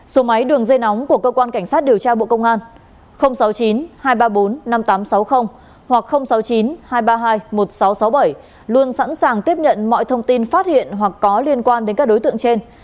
số máy đường dây nóng của cơ quan cảnh sát điều tra bộ công an sáu mươi chín hai trăm ba mươi bốn năm nghìn tám trăm sáu mươi hoặc sáu mươi chín hai trăm ba mươi hai một nghìn sáu trăm sáu mươi bảy luôn sẵn sàng tiếp nhận mọi thông tin phát hiện hoặc có liên quan đến các đối tượng trên